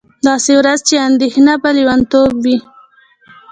داسې ورځ چې اندېښنه به لېونتوب وي